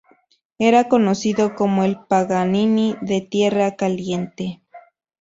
Era conocido como "El Paganini de Tierra Caliente".